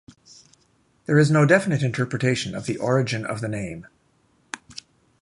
There is no definite interpretation of the origin of the name.